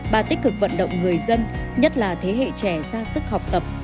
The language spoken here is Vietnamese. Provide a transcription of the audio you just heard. bà tích cực vận động người dân nhất là thế hệ trẻ ra sức học tập